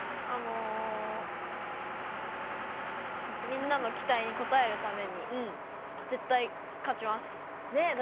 みんなの期待に応えるために絶対、勝ちます。